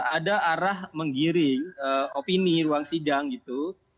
ada arah menggiring opini ruang sidang gitu